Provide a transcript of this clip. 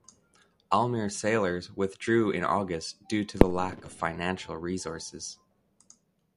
Almere Sailors withdrew in August due to the lack of financial resources.